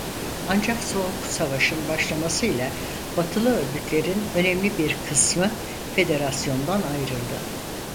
Ancak Soğuk Savaş'ın başlamasıyla Batılı örgütlerin önemli bir kısmı federasyondan ayrıldı.